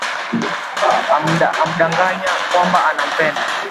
Anamdanganya kwamba anampenda